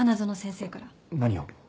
何を？